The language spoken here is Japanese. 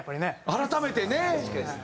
改めてね。